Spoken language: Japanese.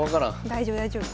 大丈夫大丈夫。